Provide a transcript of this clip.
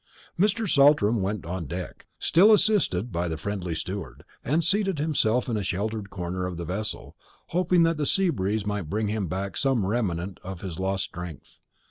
Mr. Saltram went on deck, still assisted by the friendly steward, and seated himself in a sheltered corner of the vessel, hoping that the sea breeze might bring him back some remnant of his lost strength.